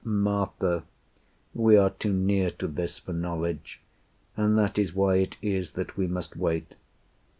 Martha, we are too near to this for knowledge, And that is why it is that we must wait.